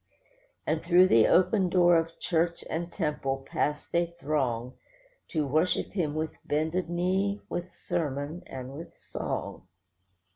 And through the open door of church and temple passed a throng, To worship Him with bended knee, with sermon, and with song.